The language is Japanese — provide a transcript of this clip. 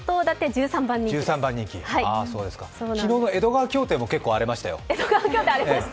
昨日の江戸川競艇も結構荒れましたよ。